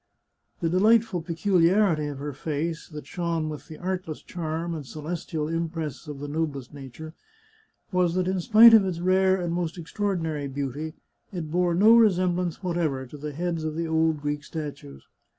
The delightful peculiarity of her face, that shone with the artless charm and celestial impress of the noblest nature, was that, in spite of its rare and most extraordinary beauty, it bore no resemblance whatever to the heads of the old Greek statues.